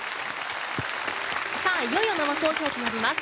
さあ、いよいよ生投票となります。